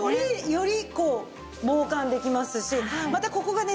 よりこう防寒できますしまたここがね